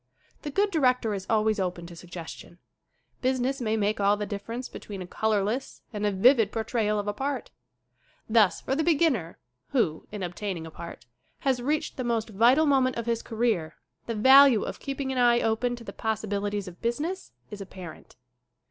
The good director is always open to suggestion. Business may make all the differ ence between a colorless and a vivid portrayal of a part. Thus for the beginner who, in ob taining a part, has reached the most vital mo ment of his career, the value of keeping an eye SCREEN ACTING 57 open to the possibilities of business is apparent.